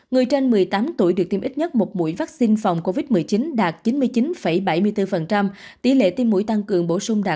người trên một mươi tám tuổi được tiêm ít nhất một mũi vaccine phòng covid một mươi chín đạt chín mươi chín bảy mươi bốn tỷ lệ tiêm mũi tăng cường bổ sung đạt sáu mươi tám chín mươi bốn